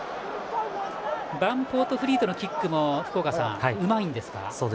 バンポートフリートのキックも福岡さん、うまいんですか。